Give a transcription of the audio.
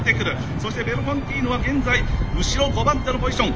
そしてベルフォンティーヌは現在後ろ５番手のポジション。